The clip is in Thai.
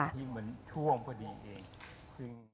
มันถ่วงพอดีเอง